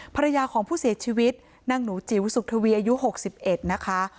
ภรรยาของผู้เสียชีวิตนางหนูจิ๋วสุขทวีอายุ๖๑นะคะ